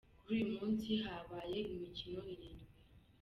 Kuri uyu munsi habaye imikino irindwi.